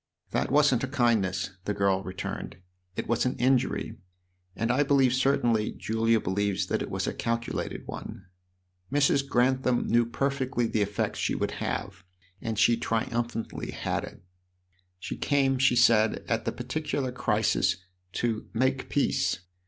"That wasn't a kindness," the girl returned; "it was an injury, and I believe certainly Julia believes that it was a calculated one. Mrs. Grantham knew perfectly the effect she would have, and she triumphantly had it. She came, she said, at the particular crisis, to 'make peace.'